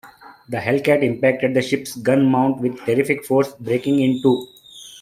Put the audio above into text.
The Hellcat impacted the ship's gun mount with terrific force, breaking in two.